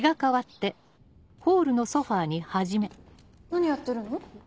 何やってるの？